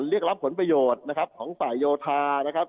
เรียกรับผลประโยชน์นะครับของฝ่ายโยธานะครับ